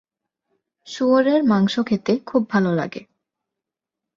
শুয়োরের মাংস খেতে খুব ভালো লাগে।